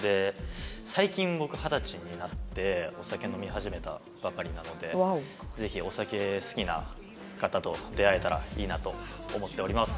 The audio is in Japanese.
最近僕二十歳になってお酒飲み始めたばかりなのでぜひお酒好きな方と出会えたらいいなと思っております。